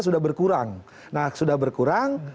sudah berkurang nah sudah berkurang